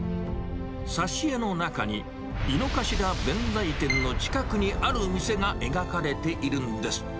挿し絵の中に、井の頭弁財天の近くにある店が描かれているんです。